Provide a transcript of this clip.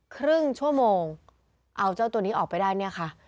ครึ่งชั่วโมงเอาเจ้าตัวนี้ออกไปได้เนี่ยค่ะ